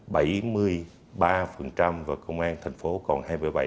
bảy mươi ba và công an thành phố còn hai mươi bảy